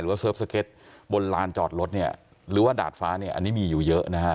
เฟิร์ฟสเก็ตบนลานจอดรถเนี่ยหรือว่าดาดฟ้าเนี่ยอันนี้มีอยู่เยอะนะฮะ